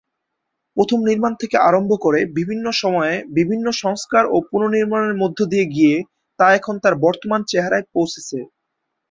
প্রথম নির্মাণ থেকে আরম্ভ করে বিভিন্ন সময়ে বিভিন্ন সংস্কার ও পুনর্নির্মাণের মধ্য দিয়ে গিয়ে তা এখন তার বর্তমান চেহারায় পৌঁছেছে।